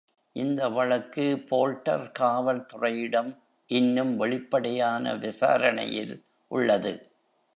இந்த வழக்கு போல்டர் காவல் துறையிடம் இன்னும் வெளிப்படையான விசாரணையில் உள்ளது.